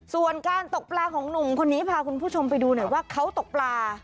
ส่วนการตกปลาของหนุ่มคนนี้พาคุณผู้ชมไปดูหน่อยว่าเขาตกปลา